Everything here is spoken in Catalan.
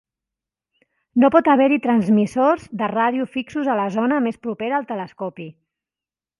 No pot haver-hi transmissors de ràdio fixos a la zona més propera al telescopi.